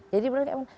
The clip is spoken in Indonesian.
jadi bulan kayak emang